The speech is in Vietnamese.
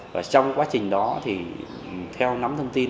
và trong quá trình đó thì theo nắm thông tin